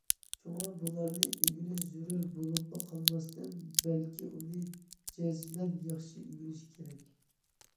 شۇڭا، بۇلارنى ئۆگىنىش زۆرۈر بولۇپلا قالماستىن، بەلكى ئۇنى جەزمەن ياخشى ئۆگىنىش كېرەك.